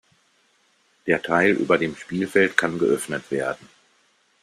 Der Teil über dem Spielfeld kann geöffnet werden.